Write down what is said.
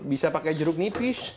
bisa pakai jeruk nipis